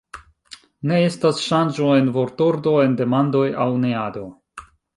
Ne estas ŝanĝo en vortordo en demandoj aŭ neado.